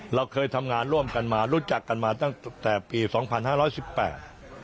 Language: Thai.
เราเคยทำงานร่วมกันมารู้จักกันมาตั้งแต่ปีสองพันห้าร้อยสิบแปด